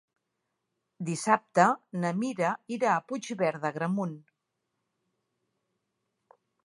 Dissabte na Mira irà a Puigverd d'Agramunt.